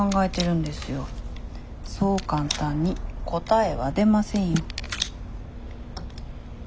そう簡単に答えは出ませんよ。